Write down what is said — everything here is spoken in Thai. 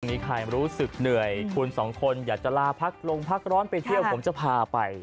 มีใครรู้สึกเหนื่อยคุณสองคนอยากจะลาพักลงพักร้อนไปเที่ยวผมจะพาไป